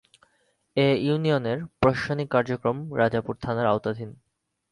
এ ইউনিয়নের প্রশাসনিক কার্যক্রম রাজাপুর থানার আওতাধীন।